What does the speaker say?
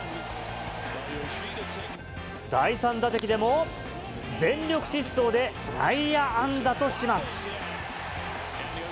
第３打席でも、全力疾走で内野安打とします。